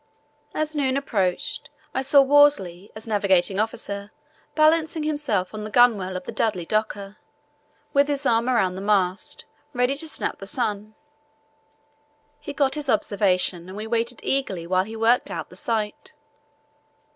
As noon approached I saw Worsley, as navigating officer, balancing himself on the gunwale of the Dudley Docker with his arm around the mast, ready to snap the sun. He got his observation and we waited eagerly while he worked out the sight.